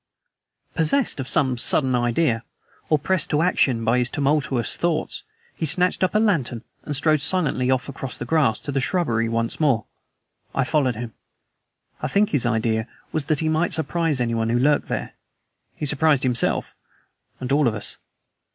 Possessed by some sudden idea, or pressed to action by his tumultuous thoughts, he snatched up a lantern and strode silently off across the grass and to the shrubbery once more. I followed him. I think his idea was that he might surprise anyone who lurked there. He surprised himself, and all of us.